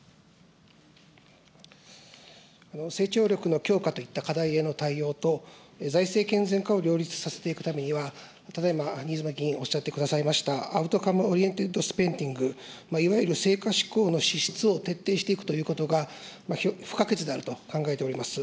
成長力の強化といった課題への対応と、財政健全化を両立させていくためには、ただ今、新妻議員おっしゃってくださいました、アウトカムオリエンテッドスペンディング、いわゆる成果しこうの資質を徹底していくということが、不可欠であると考えております。